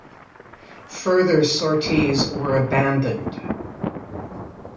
Further sorties were abandoned.